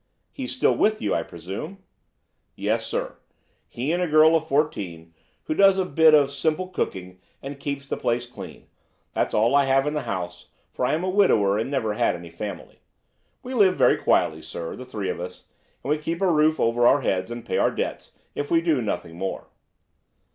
"He is still with you, I presume?" "Yes, sir. He and a girl of fourteen, who does a bit of simple cooking and keeps the place clean—that's all I have in the house, for I am a widower and never had any family. We live very quietly, sir, the three of us; and we keep a roof over our heads and pay our debts, if we do nothing more.